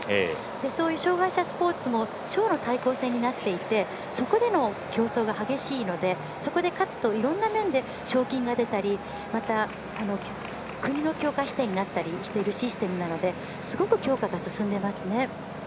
そういう障がい者スポーツも省の対抗戦になっていてそこでの競争が激しいのでそこで勝つといろんな面で賞金が出たり国の強化指定になったりするシステムなのですごく強化が進んでいますね。